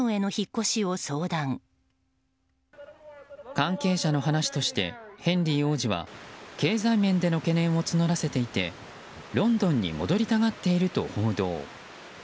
関係者の話としてヘンリー王子は経済面での懸念を募らせていてロンドンに戻りたがっていると報道。